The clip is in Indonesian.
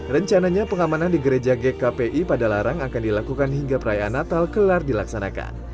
rencananya pengamanan di gereja gkpi pada larang akan dilakukan hingga perayaan natal kelar dilaksanakan